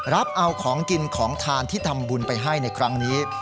รับเอาของกินของทานที่ทำบุญไปให้ในครั้งนี้